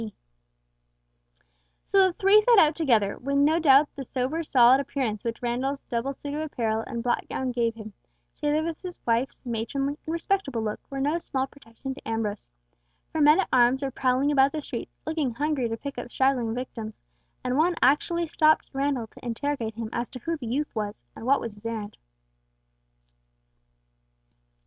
So the three set out together, when no doubt the sober, solid appearance which Randall's double suit of apparel and black gown gave him, together with his wife's matronly and respectable look, were no small protection to Ambrose, for men at arms were prowling about the streets, looking hungry to pick up straggling victims, and one actually stopped Randall to interrogate him as to who the youth was, and what was his errand.